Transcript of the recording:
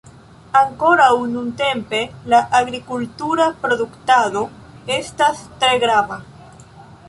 Ankoraŭ nuntempe la agrikultura produktado estas tre grava.